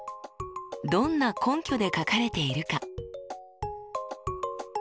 どんな根拠で書かれているか？